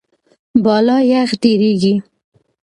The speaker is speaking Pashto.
بالا یخ ډېریږي.